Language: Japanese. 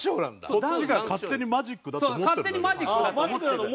こっちが勝手にマジックだと思ってるだけです。